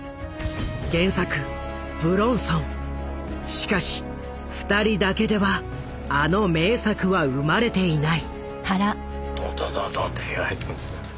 しかし２人だけではあの名作は生まれていない。